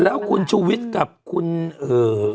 แล้วคุณชูวิทย์กับคุณเอ่อ